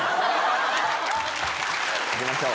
いきましょう。